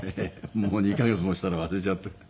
もう２カ月もしたら忘れちゃって。